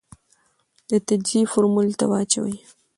د تجزیې فورمول ته واچوې ،